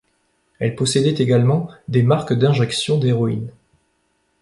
Elle possédait également des marques d'injections d'héroïne.